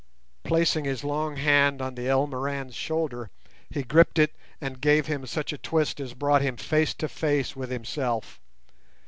Placing his long hand on the Elmoran's shoulder he gripped it and gave him such a twist as brought him face to face with himself.